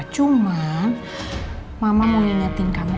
cuman mama mau ingetin kamu